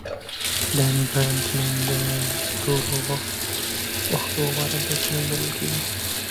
ډان براډمن د ټولو وختو غوره بيټسمېن بلل کیږي.